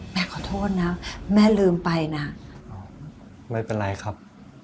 ขอโทษนะแม่ลืมไปนะไม่เป็นไรครับ